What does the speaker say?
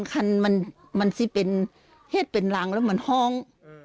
คันมันสิเป็นเหตุเป็นรังแล้วมันห้อง